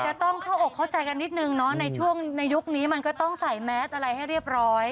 ต้องเข้าอกเข้าใจกันนิดนึงเนาะในช่วงในยุคนี้มันก็ต้องใส่แมสอะไรให้เรียบร้อย